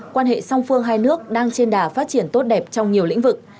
quan hệ song phương hai nước đang trên đà phát triển tốt đẹp trong nhiều lĩnh vực